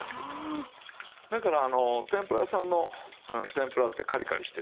だから天ぷら屋さんの天ぷらってカリカリしてて。